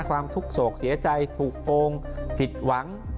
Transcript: ความทุกข์โศกเสียใจถูกโกงผิดหวัง